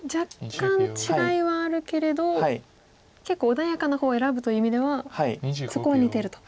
若干違いはあるけれど結構穏やかな方を選ぶという意味ではそこは似てると。